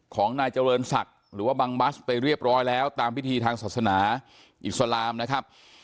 ของนายเจริญศักดิ์หรือว่าบังบัสไปเรียบร้อยแล้วตามพิธีทางศาสนาอิสลามนะครับ